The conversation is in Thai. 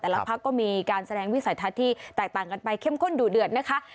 พักก็มีการแสดงวิสัยทัศน์ที่แตกต่างกันไปเข้มข้นดูเดือดนะคะ